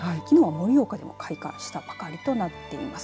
盛岡でも開花したばかりとなっています。